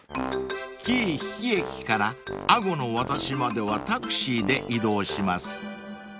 ［紀伊日置駅から安居の渡しまではタクシーで移動します］